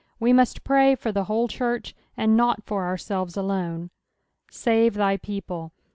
We must pray for the whole church, and not for ourselves alone. " Save thy people."